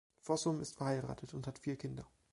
Fossum ist verheiratet und hat vier Kinder.